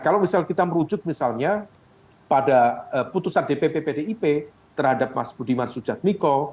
kalau misal kita merujuk misalnya pada putusan dpp pdip terhadap mas budiman sujatmiko